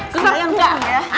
sumpah yang sama ya